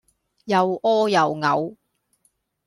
又屙又嘔